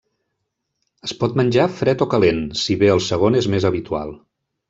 Es pot menjar fred o calent, si bé el segon és més habitual.